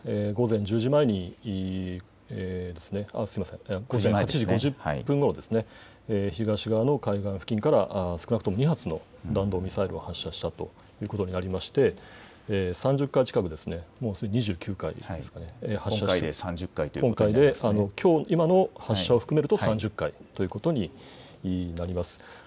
きょう８時５０分ごろ、東側の海岸付近から少なくとも２発の弾道ミサイルを発射したということになりまして３０回近く、すでに２９回、今回で、きょうの今の発射を含めると３０回ということになります。